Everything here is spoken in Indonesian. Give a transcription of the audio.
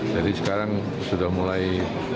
jadi sekarang sudah mulai